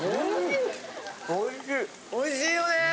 おいしいよね！